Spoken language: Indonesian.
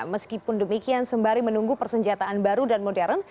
meskipun demikian sembari menunggu persenjataan baru dan modern